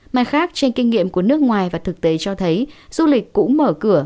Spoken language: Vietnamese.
mặt khác trên kinh nghiệm của nước ngoài và thực tế cho thấy du lịch cũng mở cửa